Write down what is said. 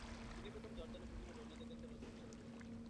তিনি প্রথম জর্দানো ব্রুনো ও রনে দেকার্তের রচনার সাথে পরিচিত হন।